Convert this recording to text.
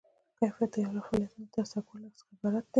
کفایت د یو لړ فعالیتونو له ترسره کولو څخه عبارت دی.